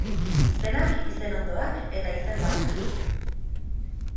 Izenak, izenondoak eta izenlagunak.